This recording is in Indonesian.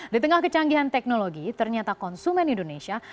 di tengah kecanggihan teknologi ternyata konsumen indonesia